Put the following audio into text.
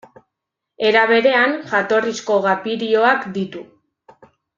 Era berean, jatorrizko gapirioak ditu.